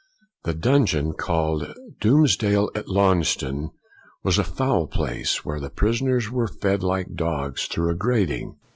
The dungeon called Doomsdale at Launceston was a foul place, where the prisoners were fed like dogs through a grating.